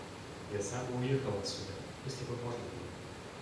— Я сам бы уехал отсюда, если бы можно было.